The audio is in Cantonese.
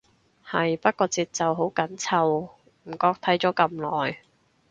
係，不過節奏好緊湊，唔覺睇咗咁耐